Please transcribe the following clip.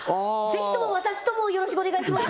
ぜひとも私ともよろしくお願いします